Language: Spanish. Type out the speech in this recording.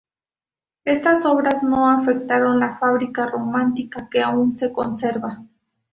Estas obras no afectaron la fábrica románica que aún se conserva.